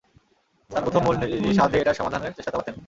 তার প্রথম মূলনীতিটির সাহায্যে এটার সমাধানের চেষ্টা চালাতেন।